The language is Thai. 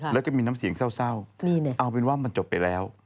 แล้วก็มีน้ำเสียงเศร้าเอาเป็นว่ามันจบไปแล้ว